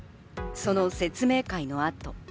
その説明会の後。